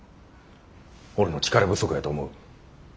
俺の力不足やと思う。